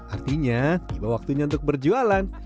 artinya tiba waktunya untuk berjualan